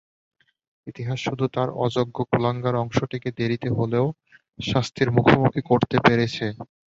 ইতিহাস শুধু তার অযোগ্য কুলাঙ্গার অংশটিকে দেরিতে হলেও শাস্তির মুখোমুখি করতে পেরেছে।